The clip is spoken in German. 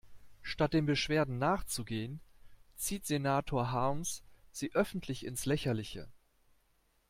Statt den Beschwerden nachzugehen, zieht Senator Harms sie öffentlich ins Lächerliche.